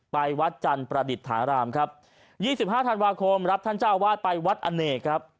วัดจันทร์ประดิษฐารามครับ๒๕ธันวาคมรับท่านเจ้าอาวาสไปวัดอเนกครับ